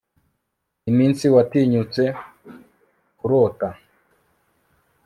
Iminsi watinyutse kurota